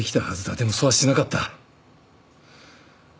でもそうはしなかった。